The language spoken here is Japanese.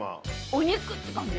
お肉って感じ。